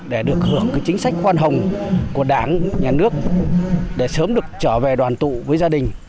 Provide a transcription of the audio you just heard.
để được hưởng chính sách khoan hồng của đảng nhà nước để sớm được trở về đoàn tụ với gia đình